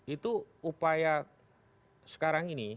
itu upaya sekarang ini